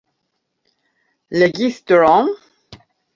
Registron?